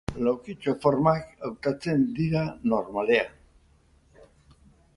Laukitxo formak hautatzen dira normalean.